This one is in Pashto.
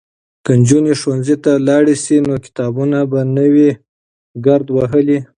که نجونې ښوونځي ته لاړې شي نو کتابونه به نه وي ګرد وهلي.